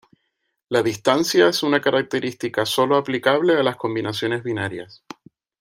La distancia es una característica sólo aplicable a las combinaciones binarias.